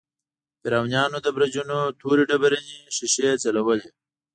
د فرعونیانو د برجونو تورې ډبرینې ښیښې ځلولې.